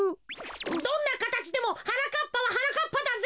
どんなかたちでもはなかっぱははなかっぱだぜ。